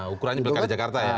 ukurannya pilkada jakarta ya